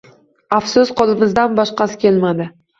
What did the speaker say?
Afsus, qo`limizdan boshqasi kelmadi